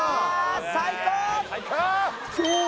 最高！